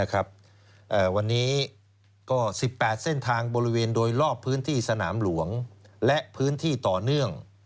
วันนี้ก็๑๘เส้นทางบริเวณโดยรอบพื้นที่สนามหลวงและพื้นที่ต่อเนื่อง